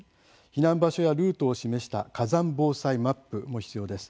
避難場所やルートを示した火山防災マップも必要です。